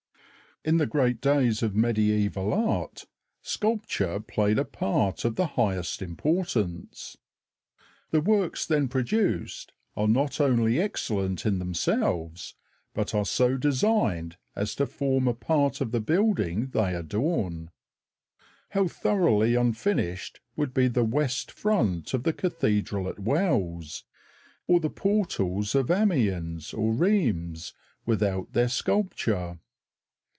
In the great days of Mediæval Art sculpture played a part of the highest importance. The works then produced are not only excellent in themselves, but are so designed as to form a part of the building they adorn. How thoroughly unfinished would be the west front of the Cathedral at Wells, or the portals of Amiens or Reims, without their sculpture.